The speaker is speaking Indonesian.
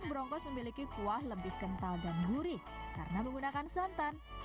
broncos memiliki kuah lebih kental dan gurih karena menggunakan santan